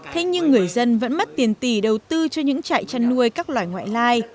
thế nhưng người dân vẫn mất tiền tỷ đầu tư cho những trại chăn nuôi các loại ngoại lai